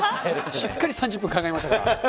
しっかり３０分考えましたから。